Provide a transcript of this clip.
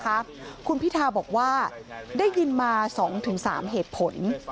คุณพิทาริมเจริญรัฐบอกว่าได้ยินมา๒๓เหตุผล